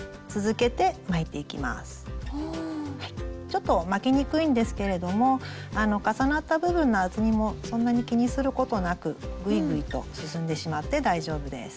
ちょっと巻きにくいんですけれども重なった部分の厚みもそんなに気にすることなくぐいぐいと進んでしまって大丈夫です。